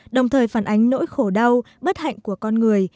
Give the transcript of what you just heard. đồng thời phản ánh nỗi khổ đau bất hạnh của con người